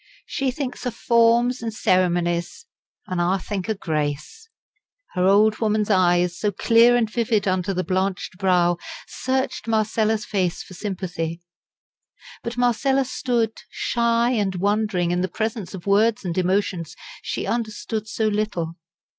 She thinks o' forms an' ceremonies; an' I think o' grace." Her old woman's eyes, so clear and vivid under the blanched brow, searched Marcella's face for sympathy. But Marcella stood, shy and wondering in the presence of words and emotions she understood so little.